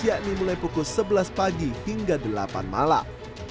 yakni mulai pukul sebelas pagi hingga delapan malam